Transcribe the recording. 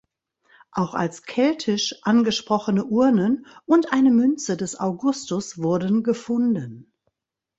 Auch als „keltisch“ angesprochene Urnen und eine Münze des Augustus wurden gefunden.